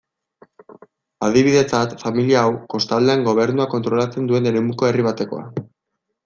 Adibidetzat, familia hau, kostaldean gobernuak kontrolatzen duen eremuko herri batekoa.